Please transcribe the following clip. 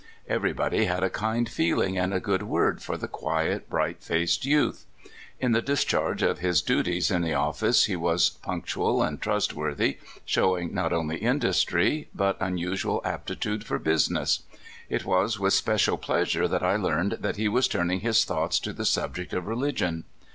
Everybody had a kind feeling and a good word for the quiet, bright faced youth. In the discharge of his duties in the office he was punctual and trustworthy, showing nt only industry but unusual aptitude for business. It was with special pleasure that I learned that he was turning his thoughts to the subject of religion.